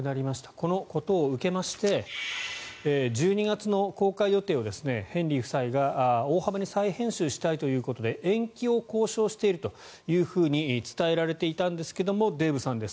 このことを受けて１２月の公開予定をヘンリー王子大幅に再編集したいということで延期を交渉しているというふうに伝えられていたんですがデーブさんです。